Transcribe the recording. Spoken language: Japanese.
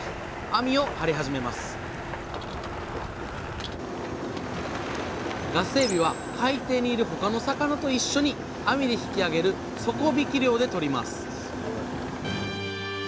網を張り始めますガスエビは海底にいる他の魚と一緒に網で引き上げる底引き漁でとります